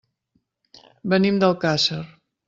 Venim d'Alcàsser.